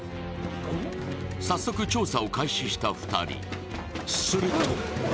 早速、調査を開始した２人。